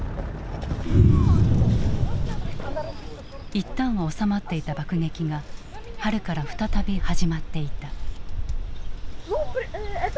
一旦は収まっていた爆撃が春から再び始まっていた。